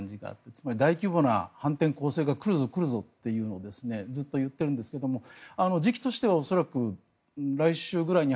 つまり大規模な反転攻勢が来るぞ、来るぞというのをずっと言っているんですが時期としては恐らく、来週ぐらいに